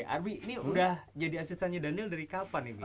arby ini sudah jadi asistennya daniel dari kapan